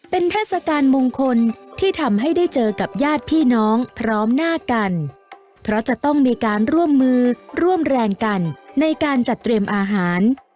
เป็นเทศกาลมงคลที่ทำให้ได้เจอกับญาติพี่น้องพร้อมหน้ากันเพราะจะต้องมีการร่วมมือร่วมแรงกันในการจัดเตรียมอาหาร